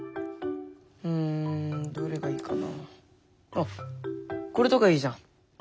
あっこれとかいいじゃん。